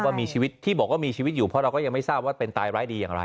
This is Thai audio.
ว่ามีชีวิตที่บอกว่ามีชีวิตอยู่เพราะเราก็ยังไม่ทราบว่าเป็นตายร้ายดีอย่างไร